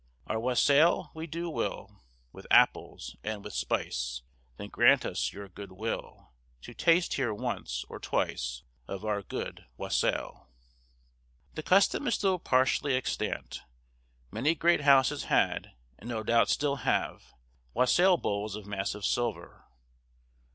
Our wassel we do fill With apples and with spice, Then grant us your good will To taste here once or twice Of our good wassel." The custom is still partially extant. Many great houses had, and no doubt still have, wassail bowls of massive silver.